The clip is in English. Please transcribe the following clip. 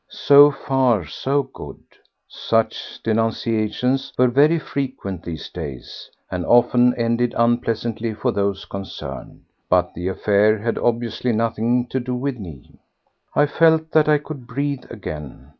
So far so good. Such denunciations were very frequent these days, and often ended unpleasantly for those concerned, but the affair had obviously nothing to do with me. I felt that I could breathe again.